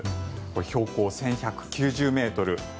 標高１１９０ｍ。